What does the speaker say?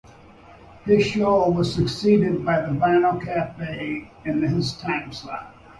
His show was succeeded by "The Vinyl Cafe" in his timeslot.